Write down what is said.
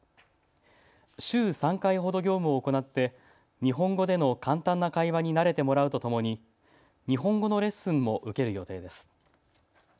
週３回ほど業務を行って日本語での簡単な会話に慣れてもらうとともに日本語のレッスンも受ける予定です。